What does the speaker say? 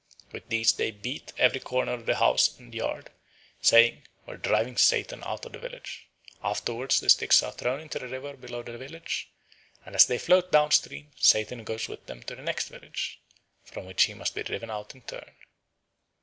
With these they beat every corner of the house and yard, saying, "We are driving Satan out of the village." Afterwards the sticks are thrown into the river below the village, and as they float down stream Satan goes with them to the next village, from which he must be driven out in turn.